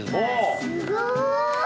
すごい！